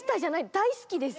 大好きです